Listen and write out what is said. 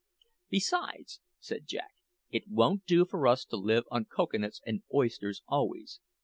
"Besides," said Jack, "it won't do for us to live on cocoa nuts and oysters always.